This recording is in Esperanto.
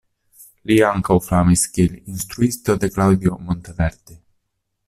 Li ankaŭ famis kiel instruisto de Claudio Monteverdi.